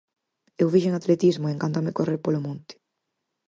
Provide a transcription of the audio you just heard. Eu fixen atletismo e encántame correr polo monte.